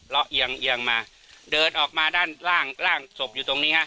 เอียงเอียงมาเดินออกมาด้านล่างร่างศพอยู่ตรงนี้ฮะ